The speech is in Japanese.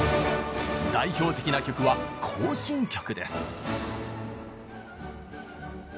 代表的な曲は行進曲です。